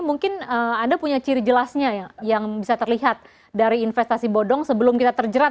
mungkin anda punya ciri jelasnya yang bisa terlihat dari investasi bodong sebelum kita terjerat